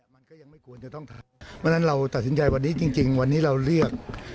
เพราะฉะนั้นเราตัดสินใจวันนี้จริงวันนี้เราเรียก